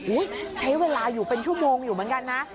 ใช้เวลาอยู่เป็นชั่วโมงอยู่เหมือนกันนะ